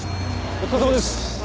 お疲れさまです！